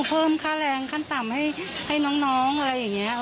เพิ่มค่าแรงขั้นต่ำให้น้องอะไรอย่างนี้